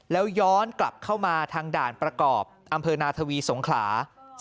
แล้วย้อนกลับเข้ามาทางด่านประกอบอำเภอนาทวีสงขลา